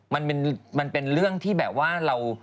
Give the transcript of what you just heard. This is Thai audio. มันเป็นเรื่องที่แบบว่าเรา